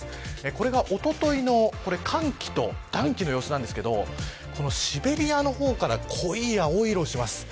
これが、おとといの寒気と暖気の様子なんですがシベリアの方から濃い青い色をしています。